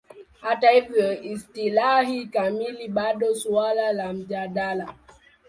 Hata hivyo, istilahi kamili bado suala la mjadala.